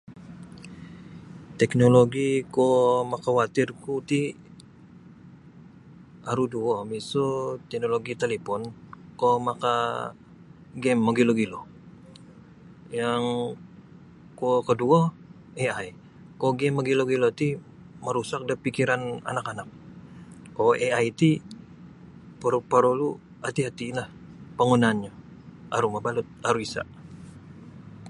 Teknologi kuo makawatirku ti aru duo miso teknologi talipon kuo makagame mogilo-gilo yang kuo koduo AI. Kuo game mogilo-gilo ti marusak da pikiran anak-anak. Kuo AI ti por porolu hati-hatilah panggunaannyo aru mabalut aru isa'.